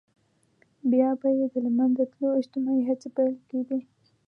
بيا به يې د له منځه تلو اجتماعي هڅې پيل کېدې.